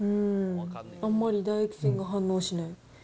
あんまり唾液腺が反応しない。